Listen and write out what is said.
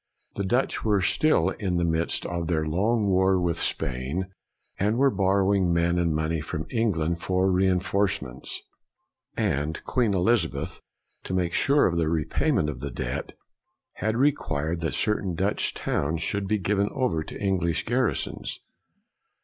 The Dutch were still in the midst of their long war with Spain, and were borrowing men and money from England for reinforcements; and Queen Elizabeth, to make sure of the repayment of the debt, had required that certain Dutch towns should be given over to English garrisons.